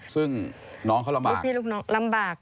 ซึ่งน้องเขาลำบากลูกพี่ลูกน้องลำบาก